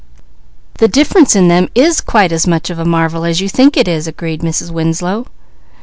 "The difference in them is quite as much of a marvel as you think it," agreed Mrs. Winslow.